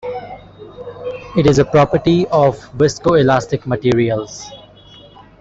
It is a property of viscoelastic materials.